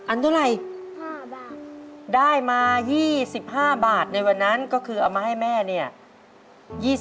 เท่าไหร่๕บาทได้มา๒๕บาทในวันนั้นก็คือเอามาให้แม่เนี่ย